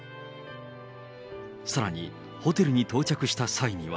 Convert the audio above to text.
さらに、ホテルに到着した際には。